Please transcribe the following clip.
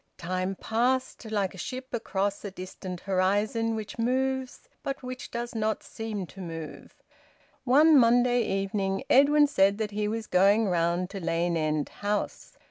Time passed, like a ship across a distant horizon, which moves but which does not seem to move. One Monday evening Edwin said that he was going round to Lane End House.